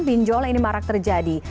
binjol ini marak terjadi